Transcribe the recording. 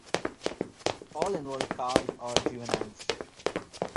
All involved calves or juveniles.